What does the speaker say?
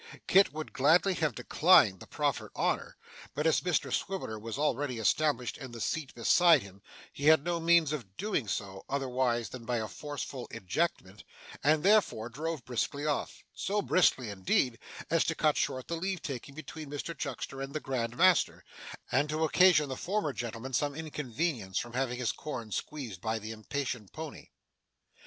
Kit would gladly have declined the proffered honour, but as Mr Swiveller was already established in the seat beside him, he had no means of doing so, otherwise than by a forcible ejectment, and therefore, drove briskly off so briskly indeed, as to cut short the leave taking between Mr Chuckster and his Grand Master, and to occasion the former gentleman some inconvenience from having his corns squeezed by the impatient pony.